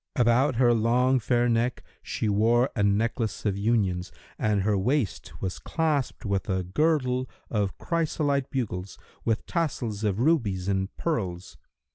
About her long fair neck she wore a necklace of unions and her waist was clasped with a girdle of chrysolite bugles, with tassels of rubies and pearls.